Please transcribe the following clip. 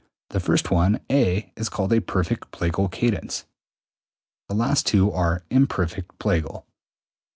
The first one (a) is called a perfect plagal cadence, the last two are imperfect plagal.